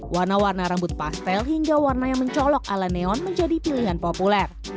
warna warna rambut pastel hingga warna yang mencolok ala neon menjadi pilihan populer